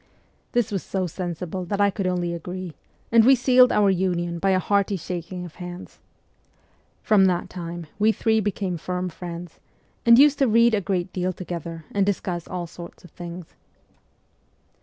This was so sensible that I could only agree, and we sealed our union by a hearty shaking of hands. From that time we three became firm friends, and used to read a great deal together and discuss all sorts of things.